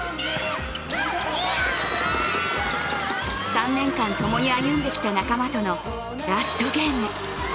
３年間、共に歩んできた仲間とのラストゲーム。